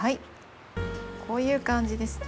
こういう感じですね。